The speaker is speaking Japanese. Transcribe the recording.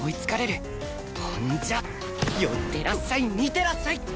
ほんじゃあ寄ってらっしゃい見てらっしゃい！